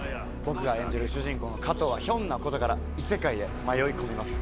僕が演じる主人公の加藤はひょんな事から異世界へ迷い込みます。